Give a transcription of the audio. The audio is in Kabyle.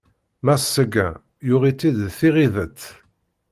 Mass Seguin yuɣ-itt-id d tiɣideṭ.